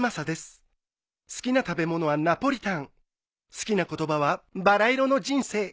好きな言葉はバラ色の人生。